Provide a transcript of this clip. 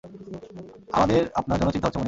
আমাদের আপনার জন্য চিন্তা হচ্ছে, মনিব।